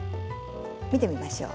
見てみましょう。